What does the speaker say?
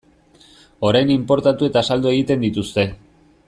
Orain inportatu eta saldu egiten dituzte.